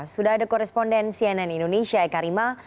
sudah ada koresponden cnn indonesia eka rima